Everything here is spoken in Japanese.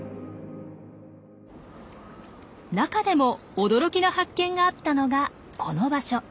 中でも驚きの発見があったのがこの場所。